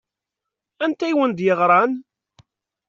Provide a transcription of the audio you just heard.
Anta i wen-d-yeɣṛan?